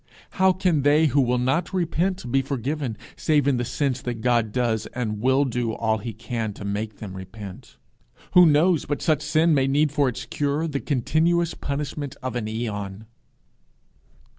How can they who will not repent be forgiven, save in the sense that God does and will do all he can to make them repent? Who knows but such sin may need for its cure the continuous punishment of an aeon?